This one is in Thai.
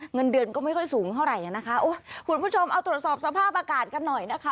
เงินเดือนก็ไม่ค่อยสูงเท่าไหร่อ่ะนะคะโอ้ยคุณผู้ชมเอาตรวจสอบสภาพอากาศกันหน่อยนะคะ